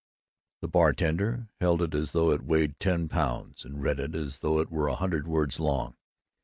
The bartender held it as though it weighed ten pounds, and read it as though it were a hundred words long.